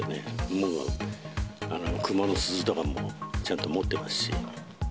もう、クマの鈴とかもちゃんと持ってますし。